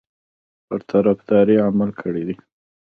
په طرفداري عمل کړی دی.